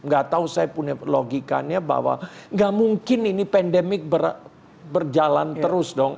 gak tau saya punya logikanya bahwa gak mungkin ini pandemi berjalan terus dong